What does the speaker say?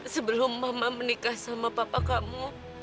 sebelum mama menikah sama papa kamu